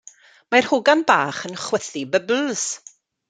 Mae'r hogan bach yn chwythu bybls.